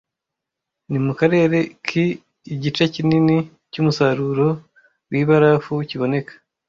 Ni mu karere ki igice kinini cy’umusaruro w’ibarafu kiboneka